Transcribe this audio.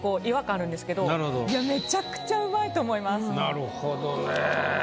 なるほどね。